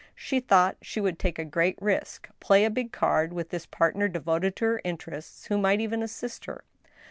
She thought she would take a g^reat risk, play a big card with this partner devoted to her interests, who might even assist her.